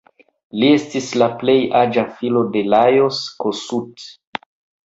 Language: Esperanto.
Li estis la plej aĝa filo de Lajos Kossuth.